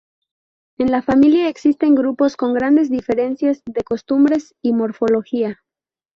En la familia existen grupos con grandes diferencias de costumbres y morfología.